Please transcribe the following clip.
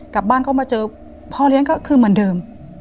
กลับบ้านก็มาเจอพ่อเลี้ยงก็คือเหมือนเดิม